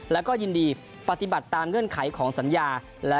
แล้วก็ยินดีปฏิบัติตามเงื่อนไขของสัญญา